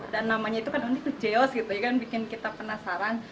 dan namanya itu kan jengkol jeos gitu ya kan bikin kita penasaran